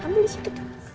ambil di situ